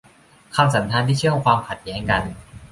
คำสันธานที่เชื่อมความข้ดแย้งกัน